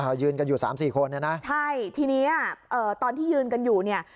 ยืนกันอยู่สามสี่คนเนี่ยนะใช่ทีเนี้ยเอ่อตอนที่ยืนกันอยู่เนี่ย